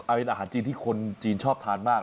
เป็นอาหารจีนที่คนจีนชอบทานมาก